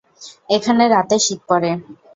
এখানে রাতে শীত পরে।